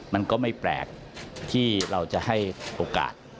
มันก็ไม่แปลกที่เราจะให้โอกาส